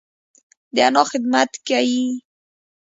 د انا خدمت کيي.